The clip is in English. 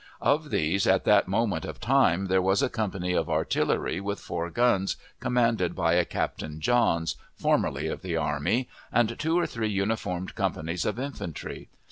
Of these, at that moment of time, there was a company of artillery with four guns, commanded by a Captain Johns, formerly of the army, and two or three uniformed companies of infantry.